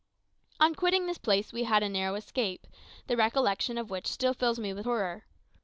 On quitting this place we had a narrow escape, the recollection of which still fills me with horror.